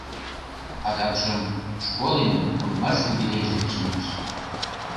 Адакшым школемын курымаш юбилейже лишемеш.